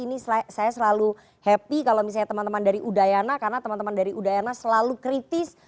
ini saya selalu happy kalau misalnya teman teman dari udayana karena teman teman dari udayana selalu kritis